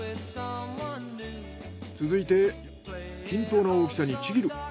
続いて均等な大きさにちぎる。